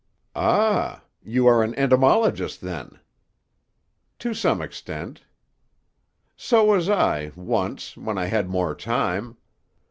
"Ah! You are an entomologist, then." "To some extent." "So was I, once—when I had more time.